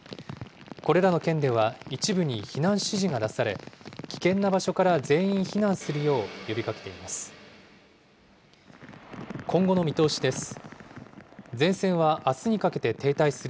これらの県では一部に避難指示が出され、危険な場所から全員避難するよう呼びかけています。